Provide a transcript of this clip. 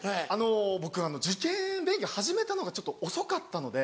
僕受験勉強始めたのがちょっと遅かったので。